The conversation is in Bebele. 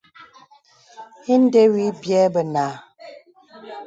Ìndə̀ wì bìɛ̂ bənà.